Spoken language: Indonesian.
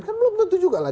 kan belum tentu juga lah